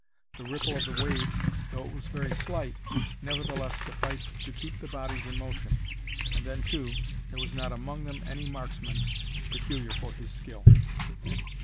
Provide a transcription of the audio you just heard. The ripple of the waves, though it was very slight, nevertheless sufficed to keep the bodies in motion; and then, too, there was not among them any marksman peculiar for his skill.